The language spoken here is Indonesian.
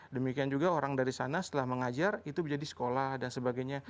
demikian juga orang dari sana setelah mengajar itu menjadi sekolah dan sebagainya